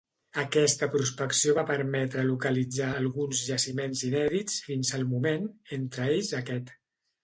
Aquesta prospecció va permetre localitzar alguns jaciments inèdits fins al moment, entre ells aquest.